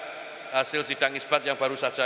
hasil sidang isbat yang baru saja